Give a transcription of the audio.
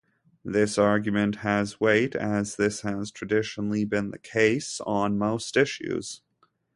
This argument has weight as this has traditionally been the case on most issues.